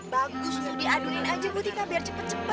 bagus diaduin aja butika biar cepet cepet tuh